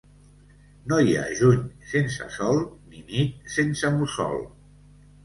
No hi ha juny sense sol, ni nit sense mussol.